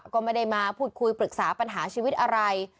ก็ไม่ได้มาพูดคุยปรึกษาปัญหาชีวิตอะไร